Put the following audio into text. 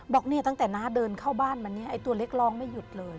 บอกเนี่ยตั้งแต่น้าเดินเข้าบ้านมาเนี่ยไอ้ตัวเล็กร้องไม่หยุดเลย